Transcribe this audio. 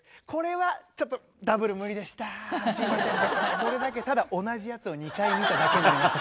これだけただ同じやつを２回見ただけになりました。